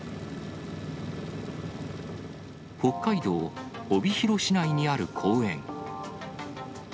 北海道帯広市内にある公園。